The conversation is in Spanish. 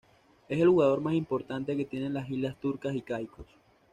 Es el jugador más importante que tiene las Islas Turcas y Caicos.